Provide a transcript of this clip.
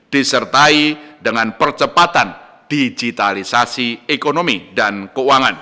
disertai dengan percepatan digitalisasi ekonomi dan keuangan